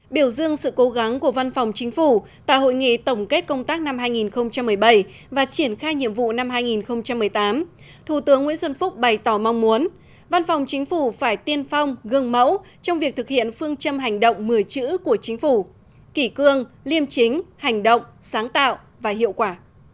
biểu dương sự cố gắng của văn phòng chính phủ tại hội nghị tổng kết công tác năm hai nghìn một mươi bảy và triển khai nhiệm vụ năm hai nghìn một mươi tám thủ tướng nguyễn xuân phúc bày tỏ mong muốn văn phòng chính phủ phải tiên phong gương mẫu trong việc thực hiện phương châm hành động một mươi chữ của chính phủ kỷ cương liêm chính hành động sáng tạo và hiệu quả